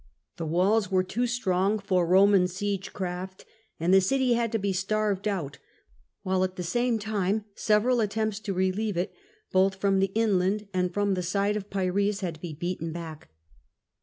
The walls were too strong for Roman siege craft, and the city had to be starved out, while at the same time several attempts to relieve it both from the inland and from the side of Piraeus had to be beaten back.